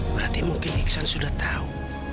berarti mungkin iksan sudah tahu